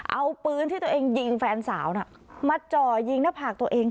เอาปืนที่ตัวเองยิงแฟนสาวน่ะมาจ่อยิงหน้าผากตัวเอง